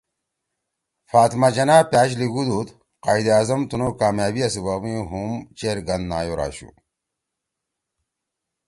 فاطمہ جناح پأش لِیگودُود، ”قائداعظم تنُو کامیابیاں سی وخ می ہُم چیرگن نایور آشُو